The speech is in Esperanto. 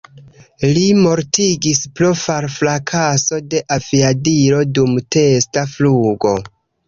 Li mortigis pro fal-frakaso de aviadilo dum testa flugo.